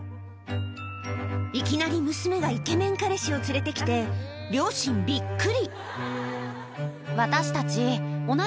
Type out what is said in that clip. いきなり娘がイケメン彼氏を連れてきて両親びっくりへぇ。